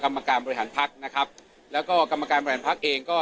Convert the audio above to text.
กรรมการบริหารพักนะครับแล้วก็กรรมการบริหารพักเองก็